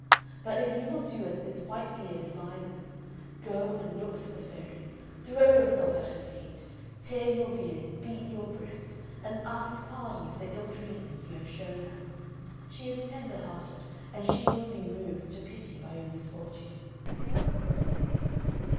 But if you will do as this white beard advises, go and look for the fairy; throw yourself at her feet, tear your beard, beat your breast, and ask pardon for the ill treatment you have shown her. She is tender hearted and she will be moved to pity by your misfortune."